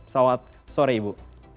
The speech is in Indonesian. selamat sore ibu